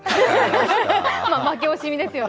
負け惜しみですよ。